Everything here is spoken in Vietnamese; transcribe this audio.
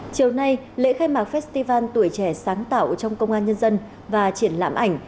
chiều nay lễ khai mạc festival tuổi trẻ sáng tạo trong công an nhân dân và triển lãm ảnh